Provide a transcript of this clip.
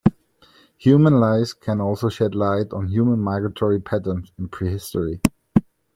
Human lice can also shed light on human migratory patterns in pre-history.